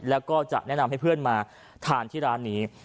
แล้วก็จะแนะนำให้เพื่อนมาทานที่ร้านนี้